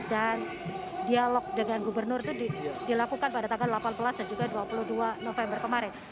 dan dialog dengan gubernur itu dilakukan pada tanggal delapan belas dan juga dua puluh dua november kemarin